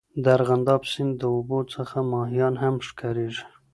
د ارغنداب سیند د اوبو څخه ماهیان هم ښکارېږي.